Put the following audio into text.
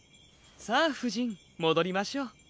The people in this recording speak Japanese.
さあふじんもどりましょう。